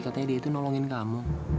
katanya dia itu nolongin kamu